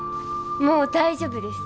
もう大丈夫です。